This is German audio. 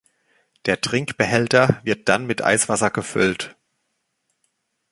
Der Trinkbehälter wird dann mit Eiswasser gefüllt.